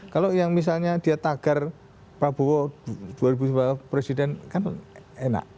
kalau yang misalnya dia tagar prabowo dua ribu sembilan belas presiden kan enak